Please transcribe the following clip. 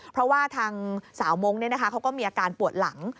เพราะว่าทางสาวมงค์เขาก็มีอาการปวดหลัง